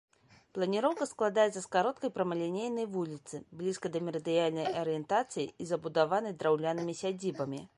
Планіроўка складаецца з кароткай прамалінейнай вуліцы, блізкай да мерыдыянальнай арыентацыі і забудаванай драўлянымі сядзібамі.